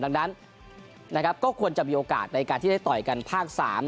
ดังนั้นนะครับก็ควรจะมีโอกาสในการที่ได้ต่อยกันภาค๓